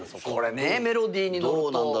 これねメロディーにのると。